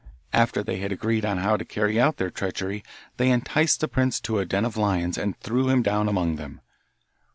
After they had agreed on how to carry out their treachery they enticed the prince to a den of lions and threw him down among them.